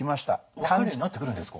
分かるようになってくるんですか？